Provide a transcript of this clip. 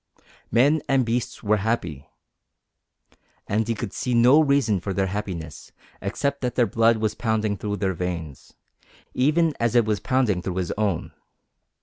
Men and beasts were happy. And he could see no reason for their happiness except that their blood was pounding through their veins, even as it was pounding through his own.